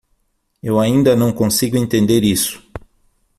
Eu ainda não consigo entender isso.